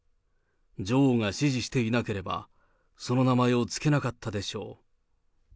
女王が支持していなければ、その名前を付けなかったでしょう。